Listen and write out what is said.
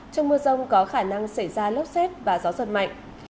trong mưa rông có khả năng xảy ra lốc xét và gió giật mạnh